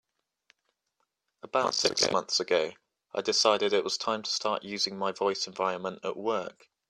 About six months ago, I decided it was time to start using my voice environment at work.